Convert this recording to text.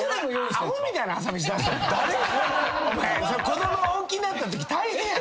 子供おっきなったとき大変やぞ。